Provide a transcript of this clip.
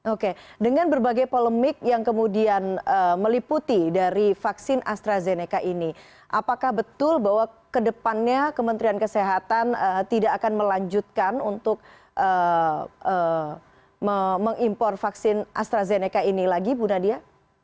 oke dengan berbagai polemik yang kemudian meliputi dari vaksin astrazeneca ini apakah betul bahwa kedepannya kementerian kesehatan tidak akan melanjutkan untuk mengimpor vaksin astrazeneca ini lagi bu nadia